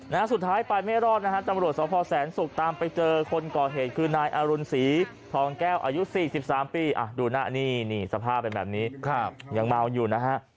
นะครับสุดท้ายไปไม่รอดนะครับจำรวจสภพแสนสุกตามไปเจอคนก่อเหตุคือนายอรุณศรีทองแก้วอายุ๔๑๓ปีดูหน้านี่สภาพแบบนี้ยังเมาอยู่นะฮะ